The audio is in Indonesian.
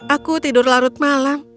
aku tidur larut malam